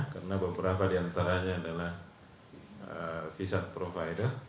karena beberapa diantaranya adalah visa provider